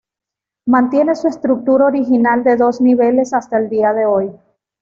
Mantiene su estructura original de dos niveles hasta el día de hoy.